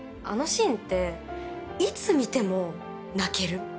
あのシーンっていつ見ても泣ける。